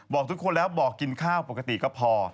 บอกทุกคนแล้วบอกกินข้าวปกติก็พอ